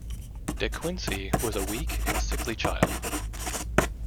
De Quincey was a weak and sickly child.